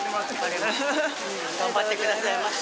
頑張ってくださいませ。